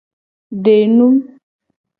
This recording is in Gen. Denu.